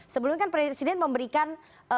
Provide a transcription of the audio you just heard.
sebelumnya kan presiden memberikan